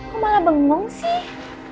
kok malah bengong sih